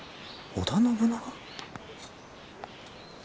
織田信長？